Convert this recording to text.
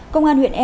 công an huyện e